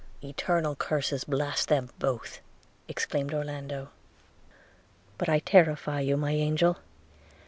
'Eternal curses blast them both!' exclaimed Orlando: – 'but I terrify you, my angel!'